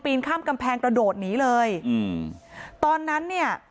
ปีนกำแพงกระโดดหนีเลยตอนนั้นเนี่ย